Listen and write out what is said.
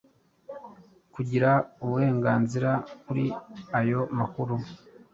kugira uburenganzira kuri ayo makuru.